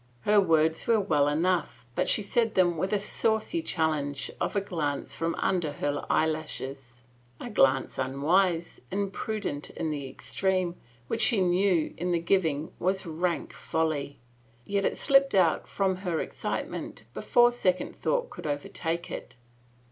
Her words were well enough, but she said them with a saucy challenge of a glance from under her lashes, a glance unwise, imprudent in the extreme, which she knew in the giving was rank folly. Yet it slipped out from her excitement before second thought could overtake it.